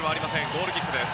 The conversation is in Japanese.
ゴールキックです。